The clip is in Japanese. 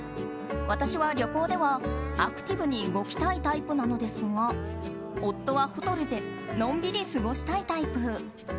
私は旅行ではアクティブに動きたいタイプなのですが夫はホテルでのんびり過ごしたいタイプ。